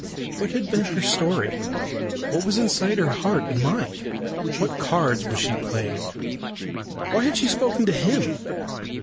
What had been her story? What was inside her heart and mind? What cards was she playing? Why had she spoken to him?